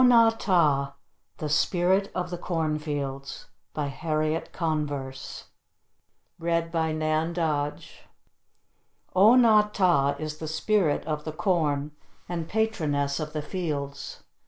O NA TAH: THE SPIRIT OF THE CORN FIELDS HARRIET CONVERSE O na tah is the spirit of the corn, and patroness of the fields.